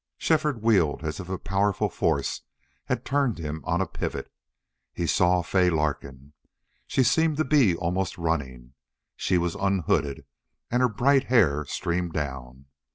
Shefford wheeled as if a powerful force had turned him on a pivot. He saw Fay Larkin. She seemed to be almost running. She was unhooded and her bright hair streamed down.